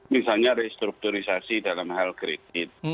misalnya restrukturisasi dalam hal kredit